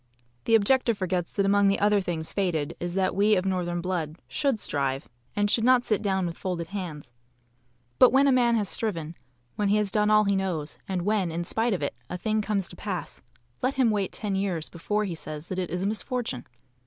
The objector forgets that among the other things fated is that we of northern blood SHOULD strive and should NOT sit down with folded hands. But when a man has striven, when he has done all he knows, and when, in spite of it, a thing comes to pass, let him wait ten years before he says that it is a misfortune.